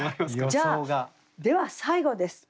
じゃあでは最後です。